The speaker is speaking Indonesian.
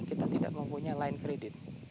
kita tidak mempunyai line kredit